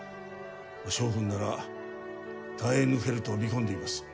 翔君なら耐え抜けると見込んでいます